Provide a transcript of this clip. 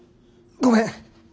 ごめん。